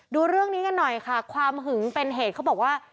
ดูเรื่องนี้กันหน่อยค่ะความหึงเป็นเหตุเขาบอกว่า